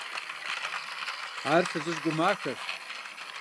Ар фызыжь гу махэщ.